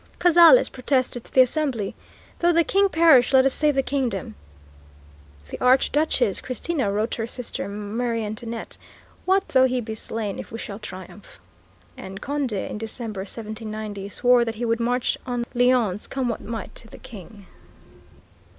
Cazalés protested to the Assembly, "Though the King perish, let us save the kingdom." The Archduchess Christina wrote to her sister, Marie Antoinette, "What though he be slain, if we shall triumph," and Condé, in December, 1790, swore that he would march on Lyons, "come what might to the King."